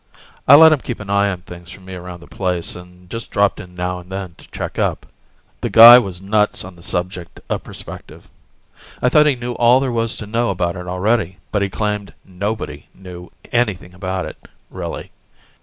I let him keep an eye on things for me around the place, and just dropped in now and then to check up. The guy was nuts on the subject of perspective. I thought he knew all there was to know about it already, but he claimed nobody knew anything about it, really.